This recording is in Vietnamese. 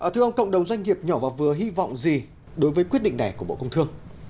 thưa ông cộng đồng doanh nghiệp nhỏ và vừa hy vọng gì đối với quyết định này của bộ công thương